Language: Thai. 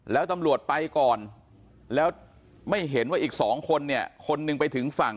แล้วตำรวจไปก่อนแล้วไม่เห็นว่าอีกสองคนเนี่ยคนหนึ่งไปถึงฝั่ง